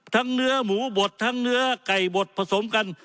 เนื้อหมูบดทั้งเนื้อไก่บดผสมกัน